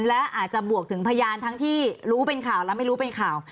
และอาจจะบวกถึงพยานทั้งที่รู้เป็นข่าวและไม่รู้เป็นข่าว